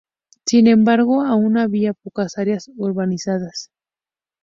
Sin embargo, aún había pocas áreas urbanizadas.